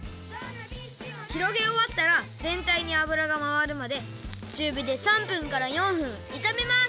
ひろげおわったらぜんたいにあぶらがまわるまでちゅうびで３分から４分いためます。